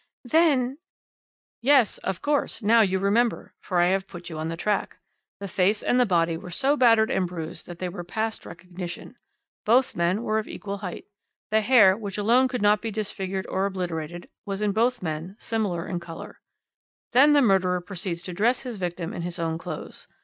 "Then " "Yes, of course, now you remember, for I have put you on the track. The face and the body were so battered and bruised that they were past recognition. Both men were of equal height. The hair, which alone could not be disfigured or obliterated, was in both men similar in colour. "Then the murderer proceeds to dress his victim in his own clothes.